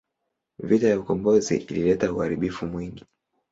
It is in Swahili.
Vita ya ukombozi ilileta uharibifu mwingi.